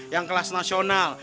yang kelas nasional